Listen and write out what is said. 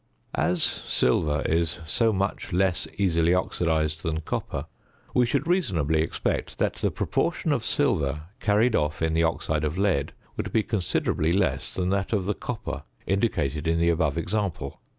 As silver is so much less easily oxidised than copper, we should reasonably expect that the proportion of silver carried off in the oxide of lead would be considerably less than that of the copper indicated in the above example.